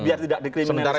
biar tidak dikriminalisasi